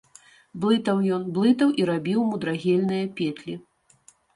Блытаў ён, блытаў і рабіў мудрагельныя петлі.